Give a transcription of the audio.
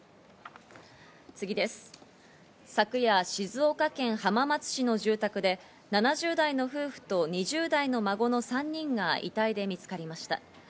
昨夜、静岡県浜松市の住宅で７０代の夫婦と２０代の孫の３人が遺体で見つかりました。